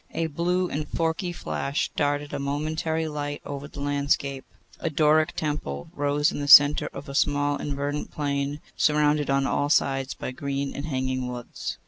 A blue and forky flash darted a momentary light over the landscape. A Doric temple rose in the centre of a small and verdant plain, surrounded on all sides by green and hanging woods.